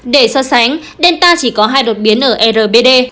để so sánh delta chỉ có hai đột biến ở rbd